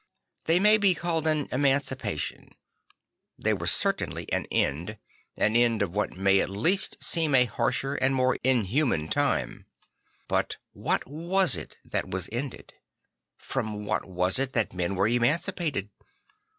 They may be called an emancipation; they were certainly an end; an end of what may at least seem a harsher and more inhuman time. But what was it that was ended? From what was it that men were emancipated?